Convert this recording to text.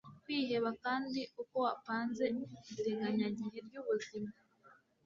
kwiheba kandi uko wapanze itegenya gihe ryubuzima